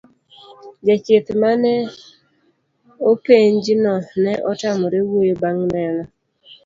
jachieth mane openj no ne otamore wuoyo bang' neno